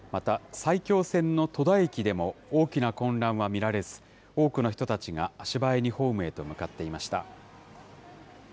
埼京線の戸田駅でも大きな混乱は見られず、多くの人たちが足早にホームへと向かっていました。